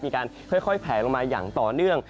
มีการค่อยแผลลงมาอย่างต่อเนื่อง